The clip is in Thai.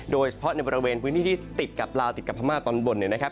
โดยเฉพาะในบริเวณพื้นที่ที่ติดกับลาวติดกับพม่าตอนบนเนี่ยนะครับ